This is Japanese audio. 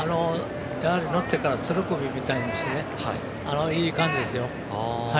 やはり、乗ってからツルクビみたいにしていい感じですよ。